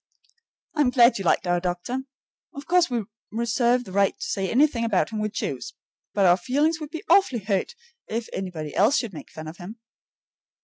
I am glad you liked our doctor. Of course we reserve the right to say anything about him we choose, but our feelings would be awfully hurt if anybody else should make fun of him.